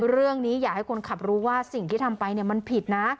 อยากให้คนขับรู้ว่าสิ่งที่ทำไปมันผิดนะ